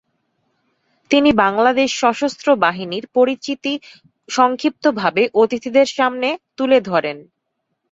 তিনি বাংলাদেশ সশস্ত্র বাহিনীর পরিচিতি সংক্ষিপ্ত ভাবে অতিথিদের সামনে তুলে ধরেন।